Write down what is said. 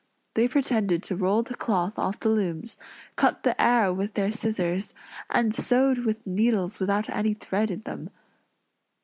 They pretended to roll the cloth off the looms; cut the air with their scissors; and sewed with needles without any thread in them.